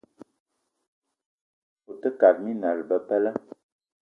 Ote kate minal bebela.